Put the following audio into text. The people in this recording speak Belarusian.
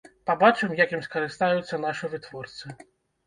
Пабачым, як ім скарыстаюцца нашы вытворцы.